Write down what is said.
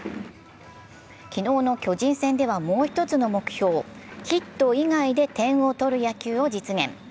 昨日の巨人戦ではもう１つの目標、ヒット以外で点を取る野球を実現。